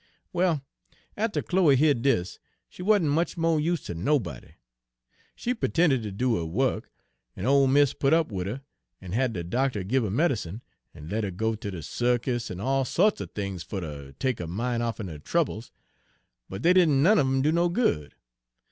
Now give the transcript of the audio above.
"Well, atter Chloe heared dis, she wa'n't much mo' use ter nobody. She pu'tended ter do her wuk, en ole mis' put up wid her, en had de doctor gib her medicine, en let 'er go ter de circus, en all so'ts er things fer ter take her min' off'n her troubles. But dey didn' none un 'em do no good.